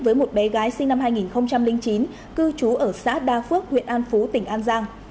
với một bé gái sinh năm hai nghìn chín cư trú ở xã đa phước huyện an phú tỉnh an giang